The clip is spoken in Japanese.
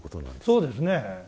そうですね。